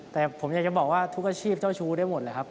แต่ผมอยากจะบอกว่าทุกอาชีพเจ้าชู้ได้หมดเลยครับ